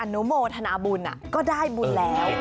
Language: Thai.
นุโมทนาบุญก็ได้บุญแล้ว